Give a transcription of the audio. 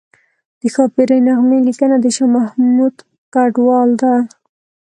د ښاپیرۍ نغمې لیکنه د شاه محمود کډوال ده